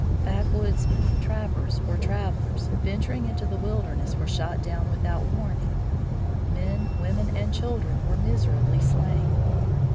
Backwoodsmen, trappers or travelers, venturing into the wilderness were shot down without warning. Men, women, and children were miserably slain.